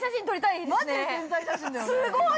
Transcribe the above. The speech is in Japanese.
すごい！